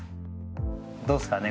どうですかね？